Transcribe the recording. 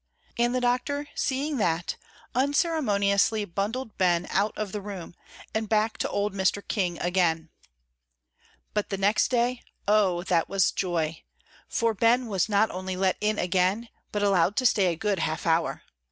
And the doctor, seeing that, unceremoniously bundled Ben out of the room, and back to old Mr. King again. But the next day, oh, that was joy! for Ben was not only let in again, but allowed to stay a good half hour.